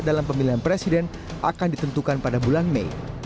dalam pemilihan presiden akan ditentukan pada bulan mei